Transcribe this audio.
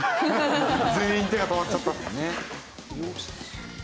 全員手が止まっちゃった。